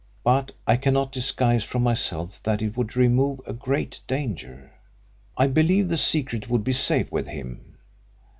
But I cannot disguise from myself that it would remove a greater danger. I believe the secret would be safe with him.